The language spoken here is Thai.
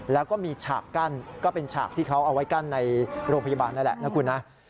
แล้วก็มีฉากกั้นก็เป็นฉากที่เขาเอาไว้กั้นในโรงพยาบาลนั่นแหละนะคุณนะ